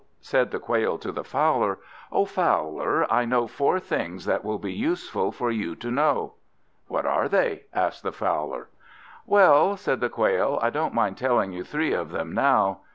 Said the Quail to the Fowler "O Fowler, I know four things that will be useful for you to know." "What are they?" asked the Fowler. "Well," said the Quail, "I don't mind telling you three of them now.